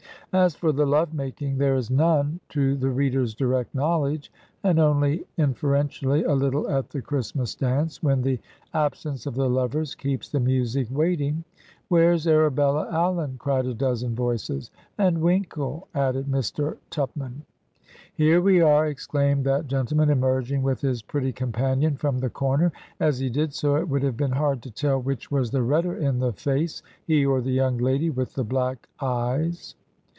As for the love making, there is none to the reader's direct knowledge, and only infer entially a little at the Christmas dguice, when the ab sence of the lovers keeps the music waiting. '"Where's Arabella Allen?' cried a dozen voices. 'And Winkle?' added Mr. Tupman. 'Here we are I' exclaimed that gentleman, emerging with his pretty companion from the comer; as he did so it would have been hard to tell which was the redder in the face, he or the young lady with the black eyes.